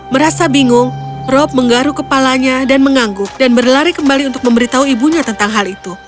merasa bingung rob menggaruk kepalanya dan mengangguk dan berlari kembali untuk memberitahu ibunya tentang hal itu